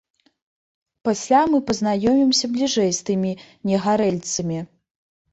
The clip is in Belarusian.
Пасля мы пазнаёмімся бліжэй з тымі негарэльцамі.